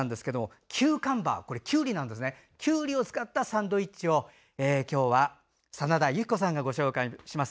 キューカンバーきゅうりを使ったサンドイッチを今日は真田由喜子さんがご紹介します。